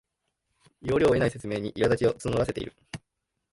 要領を得ない説明にいらだちを募らせている